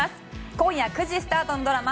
今夜９時スタートのドラマ